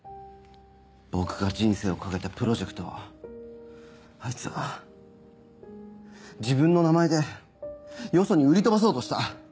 僕が人生を懸けたプロジェクトをあいつは自分の名前でよそに売り飛ばそうとした。